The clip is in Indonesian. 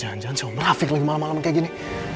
jangan jangan si om rafiq lagi malem malem kayak gini